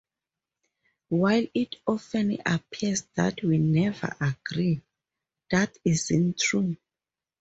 While it often appears that we never agree, that isn’t true.